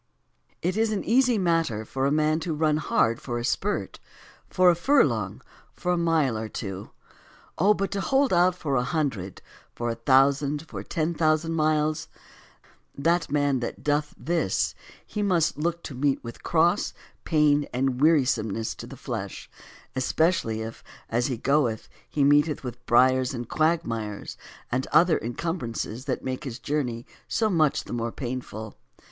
It is an easy matter for a man to run hard for a spurt, for a furlong, for a mile or two : Oh, but to hold out for a hundred, for a thousand, for ten thousand miles !— that man that doth this, he must look to meet with cross, pain, and wearisomeness to the flesh, especially if, as he goeth, he meeteth with briers and quagmires, and other encum brances that make his journey so much the more painful.